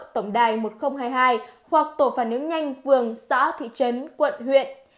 tổng đài một nghìn hai mươi hai hoặc tổ phản ứng nhanh phường xã thị trấn quận huyện